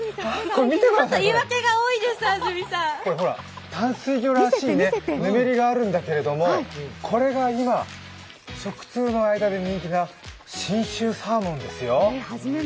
言い訳が多いです、安住さん淡水魚らしいぬめりがあるんだけど、これが今、食通の間で人気な信州サーモンですよ。